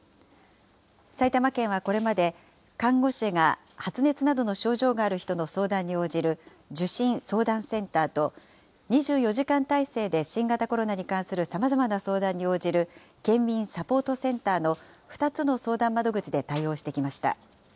埼玉県はこれまで、看護師が発熱などの症状がある人の相談に応じる、受診・相談センターと、２４時間態勢で新型コロナに関するさまざまな相談に応じる県民サポートセンターの２つの相談窓口で対応してきました。